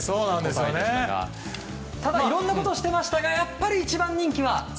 ただ、いろんなことをしていましたが一番人気は。